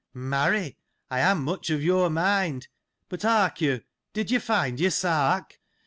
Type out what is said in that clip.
— Marry, I am much of your mind : but hark you — did you find your sark